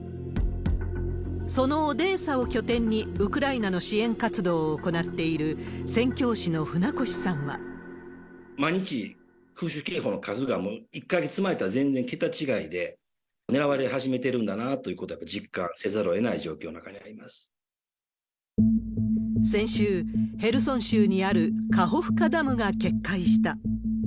そのオデーサを拠点に、ウクライナの支援活動を行っている、毎日、空襲警報の数がもう１か月前とは全然桁違いで、狙われ始めてるんだなということは実感せざるをえない状況の中に先週、ヘルソン州にあるカホフカダムが決壊した。